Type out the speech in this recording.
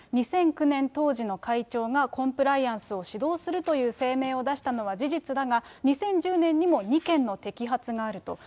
２００９年当時の会長が、コンプライアンスを指導するという声明を出したのは事実だが、２０１０年にも２件の摘発があると。